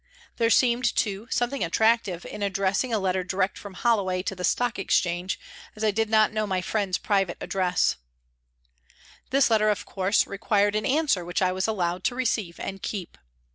There seemed, too, something attractive in addressing a letter direct from Holloway to the Stock Exchange, " A TRACK TO THE WATER'S EDGE " 147 as I did not know my friend's private address. This letter, of course, required an answer which I was allowed to receive and keep.